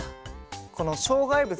このしょうがいぶつとかは。